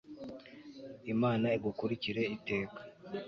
Imana igukurikire iteka